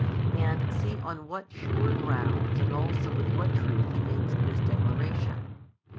And see on what sure grounds and also with what truth He makes this declaration.